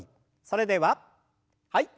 それでははい。